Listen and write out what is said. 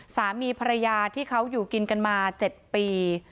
สามีภรรยาที่เขาอยู่กินกันมา๗ปี